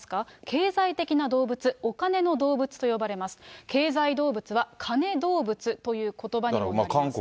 経済的な動物、お金の動物と呼ばれます、経済動物は金動物ということばになってます。